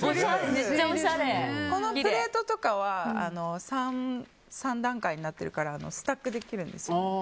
このプレートとかは３段階になってるからスタックできるんですよ。